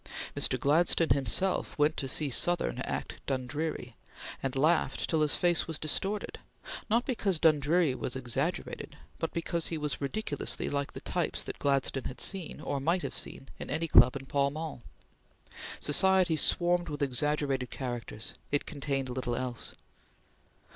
Mr. Gladstone himself went to see Sothern act Dundreary, and laughed till his face was distorted not because Dundreary was exaggerated, but because he was ridiculously like the types that Gladstone had seen or might have seen in any club in Pall Mall. Society swarmed with exaggerated characters; it contained little else.